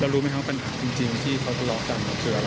แล้วรู้มั้ยครับปัญหาจริงที่เขาตลอกกัน